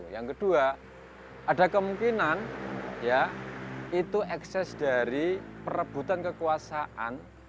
yang kedua ada kemungkinan ya itu ekses dari perebutan kekuasaan